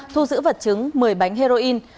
thu giữ vật chứng một mươi bánh heroin